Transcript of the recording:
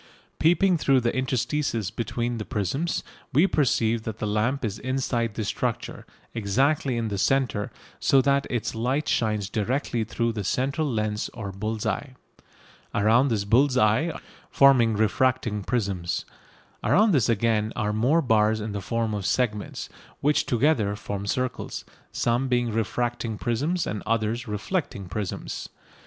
Peeping through the interstices between the prisms, we perceive that the lamp is inside this structure, exactly in the centre, so that its light shines directly through the central lens or bull's eye. Around this bull's eye are many circles of glass bar, forming refracting prisms. Around this again are more bars in the form of segments, which together form circles, some being refracting prisms and others reflecting prisms.